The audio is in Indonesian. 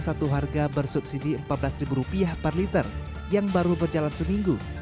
satu harga bersubsidi rp empat belas per liter yang baru berjalan seminggu